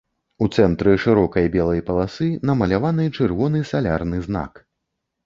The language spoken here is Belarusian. У цэнтры шырокай белай паласы намаляваны чырвоны салярны знак.